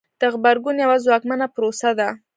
د غبرګون یوه ځواکمنه پروسه ده.